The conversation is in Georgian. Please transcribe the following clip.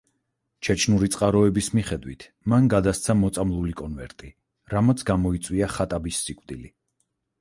ჩეჩნური წყაროების მიხედვით მან გადასცა მოწამლული კონვერტი რამაც გამოიწვია ხატაბის სიკვდილი.